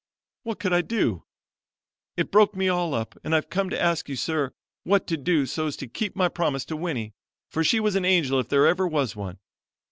What could I do? It broke me all up, and I've come to ask you, sir; what to do so's to keep my promise to Winnie, for she was an angel if there ever was one.